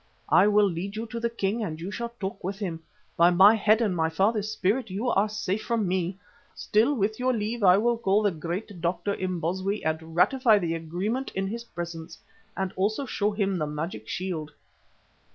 I will lead you to the king and you shall talk with him. By my head and my father's spirit you are safe from me. Still, with your leave, I will call the great doctor, Imbozwi, and ratify the agreement in his presence, and also show him the magic shield."